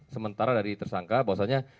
sementara dari tersangka bahwasannya